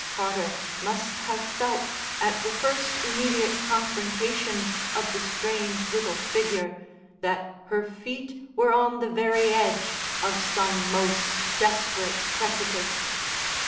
Carter must have felt at the first immediate confrontation of the strange little figure that her feet were on the very edge of some most desperate precipice.